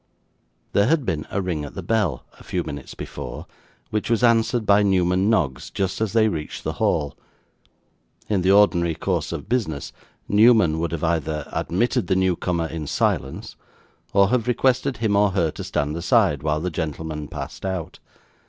There had been a ring at the bell a few minutes before, which was answered by Newman Noggs just as they reached the hall. In the ordinary course of business Newman would have either admitted the new comer in silence, or have requested him or her to stand aside while the gentlemen passed out.